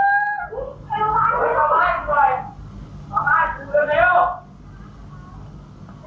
เอามาลืมเหลือเร็ว